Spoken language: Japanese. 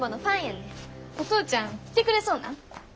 お父ちゃん来てくれそうなん？